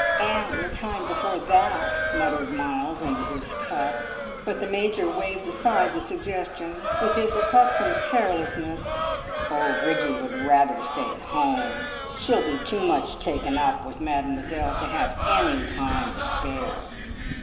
"And the time before that!" muttered Miles into his cup; but the Major waved aside the suggestion with his accustomed carelessness. "Oh, Bridgie would rather stay at home. She'll be too much taken up with Mademoiselle to have any time to spare."